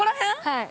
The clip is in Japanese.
はい。